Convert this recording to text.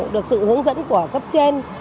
được sự hướng dẫn của cấp trên